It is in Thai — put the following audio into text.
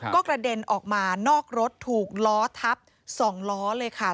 ก็กระเด็นออกมานอกรถถูกล้อทับ๒ล้อเลยค่ะ